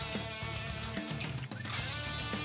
ต่อไปข้ากับท่านท่านแจ๊ค